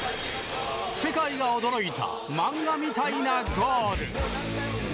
世界が驚いた漫画みたいなゴール。